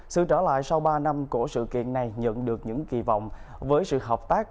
sự trở lại sau ba năm của sự kiện này nhận được những kỳ vọng với sự hợp tác